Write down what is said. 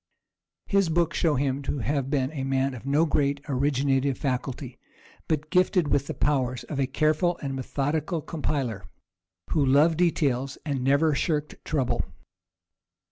His books show him to have been a man of no great originative faculty, but gifted with the powers of a careful and methodical compiler, who loved details and never shirked trouble.